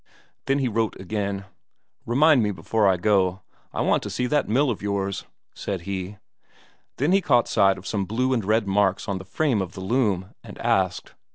Then he wrote again. "Remind me before I go, I want to see that mill of yours," said he. Then he caught sight of some blue and red marks on the frame of the loom, and asked."